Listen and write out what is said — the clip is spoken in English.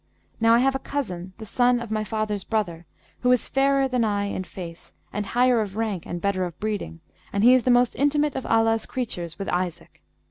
Now I have a cousin, the son of my father's brother, who is fairer than I in face and higher of rank and better of breeding; and he is the most intimate of Allah's creatures with Isaac.'